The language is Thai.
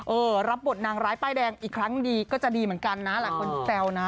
รับบทนางร้ายป้ายแดงอีกครั้งดีก็จะดีเหมือนกันนะหลายคนแซวนะ